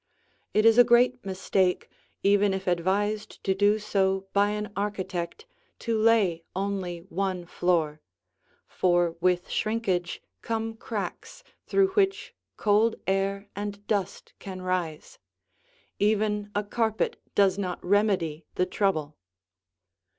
It is a great mistake, even if advised to do so by an architect, to lay only one floor, for with shrinkage come cracks through which cold air and dust can rise; even a carpet does not remedy the trouble.